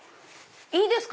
いいですか？